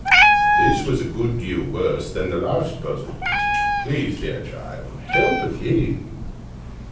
This was a good deal worse than the last puzzle. Please, dear Child, help again!